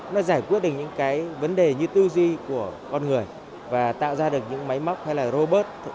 nó giải quyết được những cái vấn đề như tư duy của con người và tạo ra được những máy móc hay là robot